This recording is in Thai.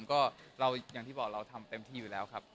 ก็เราอย่างที่บอกเราทำเต็มที่อยู่แล้วครับ